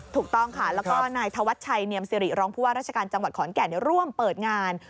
ถูกต้องค่ะแล้วก็นายธวัชชัยเนียมสิริรองผู้ว่าราชการจังหวัดขอนแก่นร่วมเปิดงาน